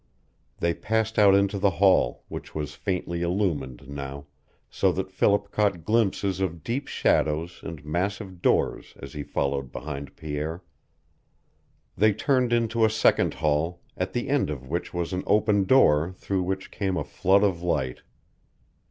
They passed out into the hall, which was faintly illumined now, so that Philip caught glimpses of deep shadows and massive doors as he followed behind Pierre. They turned into a second hall, at the end of which was an open door through which came a flood of light.